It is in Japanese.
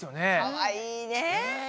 かわいいね！